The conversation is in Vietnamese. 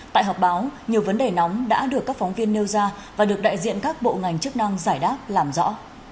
tại họp báo nhiều vấn đề nóng đã được các phóng viên nêu ra và được đại diện các bộ ngành chức năng giải đáp làm rõ